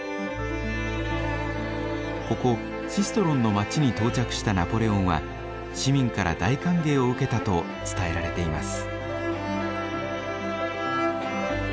ここシストロンの街に到着したナポレオンは市民から大歓迎を受けたと伝えられています。